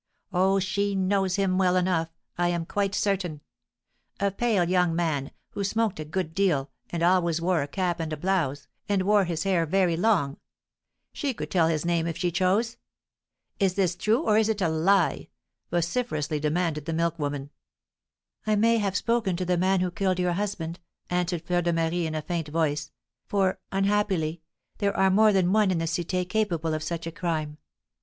Oh, she knows him well enough, I am quite certain; a pale young man, who smoked a good deal, and always wore a cap and a blouse, and wore his hair very long; she could tell his name if she chose. Is this true, or is it a lie?" vociferously demanded the milk woman. "I may have spoken to the man who killed your husband," answered Fleur de Marie, in a faint voice; "for, unhappily, there are more than one in the Cité capable of such a crime.